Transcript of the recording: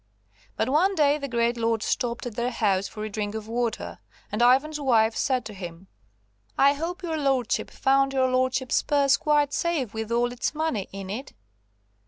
But one day the great lord stopped at their house for a drink of water, and Ivan's wife said to him: "I hope your lordship found your lordship's purse quite safe with all its money in it."